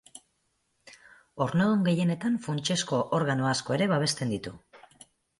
Ornodun gehienetan funtsezko organo asko ere babesten ditu.